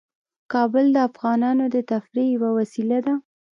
کابل د افغانانو د تفریح یوه وسیله ده.